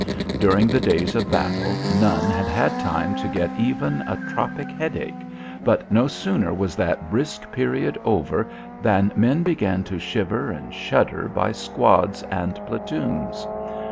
During the days of battle none had had time to get even a tropic headache, but no sooner was that brisk period over than men began to shiver and shudder by squads and platoons.